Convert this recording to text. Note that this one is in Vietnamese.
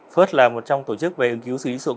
first là một trong tổ chức về ứng cứu sử dụng